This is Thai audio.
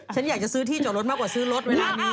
ฉันอยากจะซื้อที่จอดรถมากกว่าซื้อรถเวลานี้